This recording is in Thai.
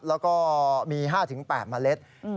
แล้วก็มี๕๘เมล็ด